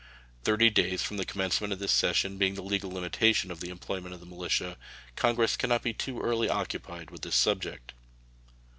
Thirty days from the commencement of this session being the legal limitation of the employment of the militia, Congress can not be too early occupied with this subject.